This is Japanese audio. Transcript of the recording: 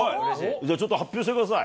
ちょっと発表してください。